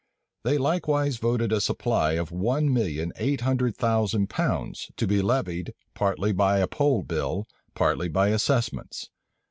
They likewise voted a supply of one million eight hundred thousand pounds, to be levied, partly by a poll bill, partly by assessments.